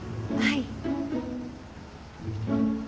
はい。